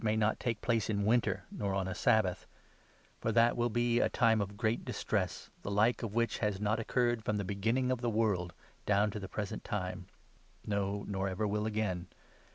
may not take place in winter, nor on a Sabbath ; for that will 21 be ' a time of great distress, the like of which has not occurred from the beginning of the world down to the present time '— no, nor ever will again.